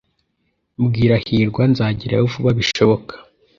Bwira hirwa nzagerayo vuba bishoboka.